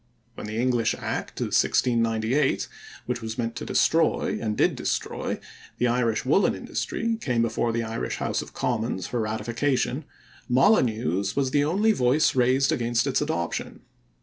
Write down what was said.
When the English Act of 1698, which was meant to destroy, and did destroy, the Irish woolen industry, came before the Irish house of commons for ratification, Molyneux's was the only voice raised against its adoption.